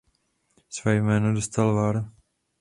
Své jméno dostala var.